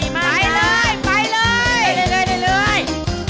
ไปเลย